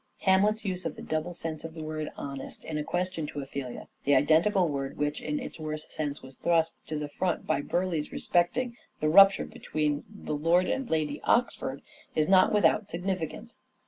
Hamlet's use of the double sense of the word " honest " in a question to Ophelia — the identical word which in its worse sense was thrust to the front by Burleigh respecting the rupture between Lord and Lady Oxford — is not without significance.